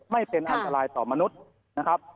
ไม่เป็นอันตรายต่อมนุษย์นะครับ